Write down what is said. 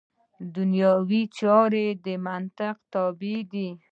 دنیوي چارې د منطق تابع دي.